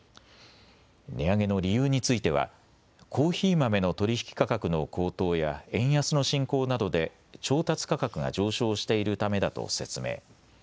値上げの理由についてはコーヒー豆の取引価格の高騰や円安の進行などで調達価格が上昇しているためだと説明。